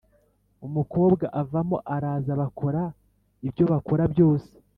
umukobwa avamo, araza, bakora ibyo bakora byose